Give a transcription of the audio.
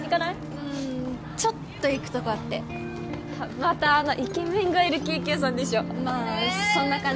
うーんちょっと行くとこあってまたあのイケメンがいるケーキ屋さんでしょまあそんな感じ？